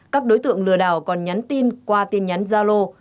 các đối tượng lừa đảo còn nhắn tin qua tin nhắn gia lô